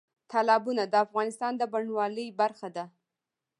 تالابونه د افغانستان د بڼوالۍ برخه ده.